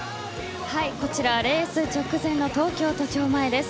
レース直前の東京都庁前です。